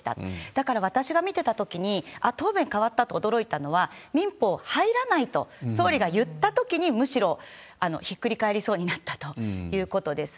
だから私が見てたときに、あっ、答弁変わったと驚いたのは、民法入らないと、総理が言ったときに、むしろひっくり返りそうになったということです。